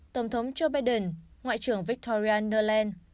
tổng thống joe biden ngoại trưởng victoria nuland